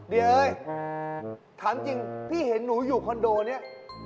เดี๋ยวเอ้ยถามจริงพี่เห็นหนูอยู่คอนโดเนี่ย